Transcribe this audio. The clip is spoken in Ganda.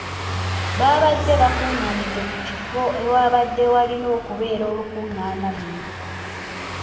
Baabadde bakung'aanidde mu kifo ewaabadde walina okubeera olukung'aana luno.